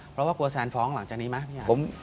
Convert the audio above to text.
เราว่ากลัวแซนฟ้องหลังจากนี้ไหม